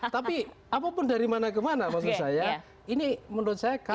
tapi apapun dari mana kemana maksud saya ini menurut saya